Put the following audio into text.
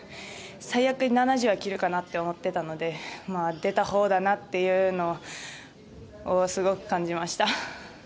最悪、７０はいけるかなと思っていたので出たほうだなというのをすごく感じました。